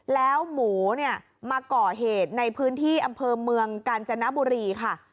แล้วหมูเนี่ยมาก่อเหตุในพื้นที่อำเภอเมืองกาญจนบุรีค่ะ